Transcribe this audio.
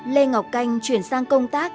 lê ngọc canh chuyển sang công tác